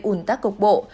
ủn tắc cục bộ